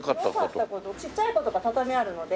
ちっちゃい子とか畳あるので。